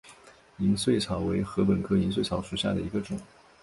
银穗草为禾本科银穗草属下的一个种。